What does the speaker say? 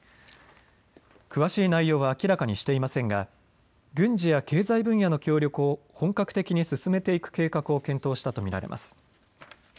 詳しい内容は明らかにしていませんが軍事や経済分野の協力を本格的に進めていく計画を検討したと見られます。